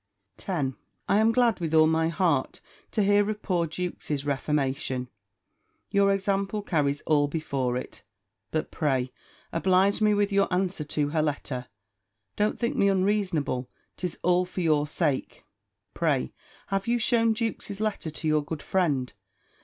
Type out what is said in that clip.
10. I am glad, with all my heart, to hear of poor Jewkes's reformation: Your example carries all before it. But pray oblige me with your answer to her letter, don't think me unreasonable: 'tis all for your sake. Pray have you shewn Jewkes's letter to your good friend?